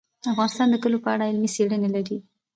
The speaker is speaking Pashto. افغانستان د کلیو په اړه علمي څېړنې لري.